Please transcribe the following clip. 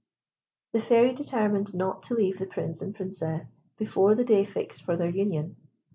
The Fairy determined not to leave the Prince and Princess before the day fixed for their union.